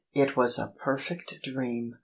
It was a perfect dream !